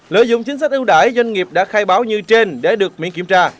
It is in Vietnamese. lợi dụng chính sách ưu đãi doanh nghiệp đã khai báo như trên để được miễn kiểm tra